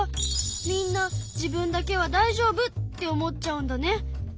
みんな自分だけは大丈夫って思っちゃうんだね。